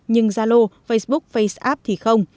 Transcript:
nhưng zalo facebook faceapp thì không